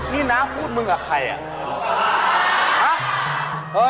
นี่น้าพูดมึงกับใครอ่ะ